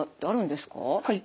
はい。